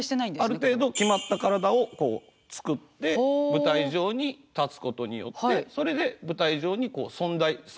ある程度決まった体をこう作って舞台上に立つことによってそれで舞台上に存在する登場人物と。